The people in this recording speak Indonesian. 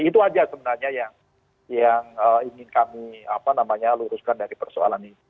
itu aja sebenarnya yang ingin kami luruskan dari persoalan ini